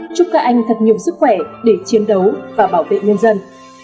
chúc các anh thật nhiều sức khỏe để chiến đấu và bảo vệ nhân dân